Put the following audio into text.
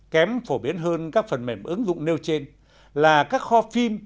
kém phổ biến hơn các phần mềm ứng dụng nêu trên là các kho phim